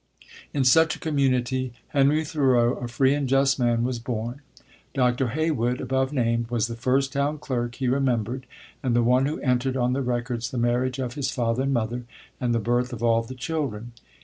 Into such a community Henry Thoreau, a free and just man, was born. Dr. Heywood, above named, was the first town clerk he remembered, and the one who entered on the records the marriage of his father and mother, and the birth of all the children.